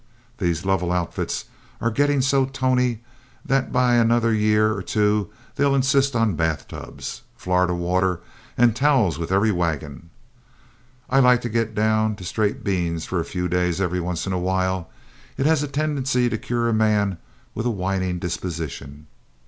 These Lovell outfits are getting so tony that by another year or two they'll insist on bathtubs, Florida water, and towels with every wagon. I like to get down to straight beans for a few days every once in a while; it has a tendency to cure a man with a whining disposition.